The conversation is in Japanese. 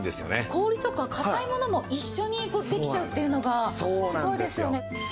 氷とか硬いものも一緒にできちゃうっていうのがすごいですよね。